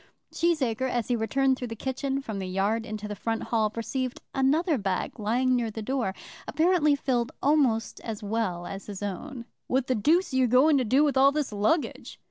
Cheesacre, as he returned through the kitchen from the yard into the front hall, perceived another bag lying near the door, apparently filled almost as well as his own. "What the deuce are you going to do with all this luggage?"